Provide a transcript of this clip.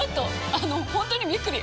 あの本当にびっくり！